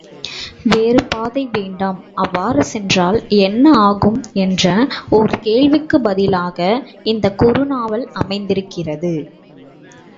வேறுபாதை வேண்டாம் அவ்வாறு சென்றால் என்ன ஆகும் என்ற ஓர் கேள்விக்குப் பதிலாக, இந்த குறுநாவல் அமைந்திருக்கிறது.